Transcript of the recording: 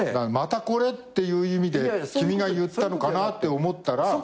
またこれ？っていう意味で君が言ったのかなって思ったら。